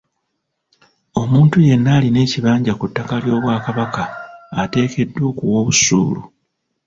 Omuntu yenna alina ekibanja ku ttaka ly'Obwakabaka ateekeddwa okuwa obusuulu.